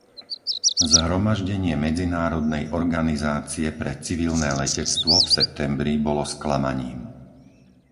Zhromaždenie Medzinárodnej organizácie pre civilné letectvo v septembri bolo sklamaním.